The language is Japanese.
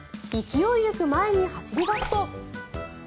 勢いよく前に走り出すと。